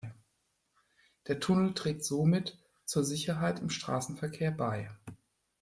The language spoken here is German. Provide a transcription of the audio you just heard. Der Tunnel trägt somit zur Sicherheit im Straßenverkehr bei.